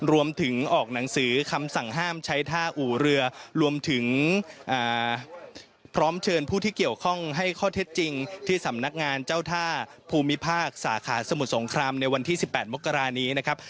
รวมถึงออกหนังสือคำสั่งห้ามใช้ท่าอู่เรือรวมถึงพร้อมเชิญผู้ที่เกี่ยวข้องให้ข้อเท็จจริงที่สำนักงานเจ้าท่าภูมิภาคสาขาสมุทรสงครามในวันที่๑๘มกรานี้นะครับ